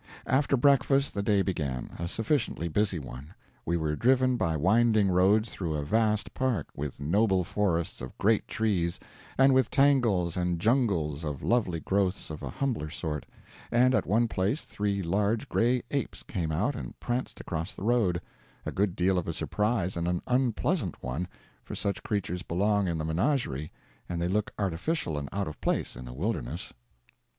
After breakfast the day began, a sufficiently busy one. We were driven by winding roads through a vast park, with noble forests of great trees, and with tangles and jungles of lovely growths of a humbler sort; and at one place three large gray apes came out and pranced across the road a good deal of a surprise and an unpleasant one, for such creatures belong in the menagerie, and they look artificial and out of place in a wilderness.